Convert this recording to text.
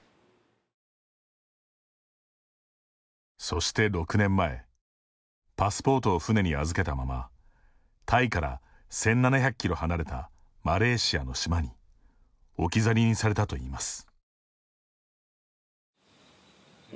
そして６年前パスポートを船に預けたままタイから１７００キロ離れたマレーシアの島に置き去りにされたといいます。